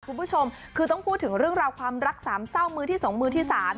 คุณผู้ชมคือต้องพูดถึงเรื่องราวความรักสามเศร้ามือที่๒มือที่๓